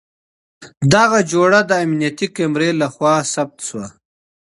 دغه جوړه د امنيتي کمرې له خوا ثبت شوه.